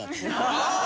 ああ！